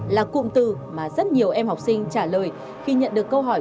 là cụm từ mà rất nhiều em học sinh trả lời khi nhận được câu hỏi